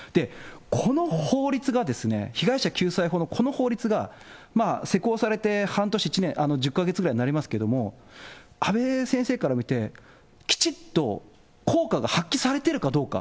この法律が被害者救済法のこの法律が、施行されて半年、１年、１０か月ぐらいになりますけれども、阿部先生から見て、きちっと効果が発揮されてるかどうか。